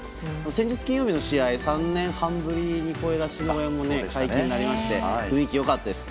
先日、金曜日の試合３年半ぶりに声出し応援も解禁になりまして雰囲気、良かったです。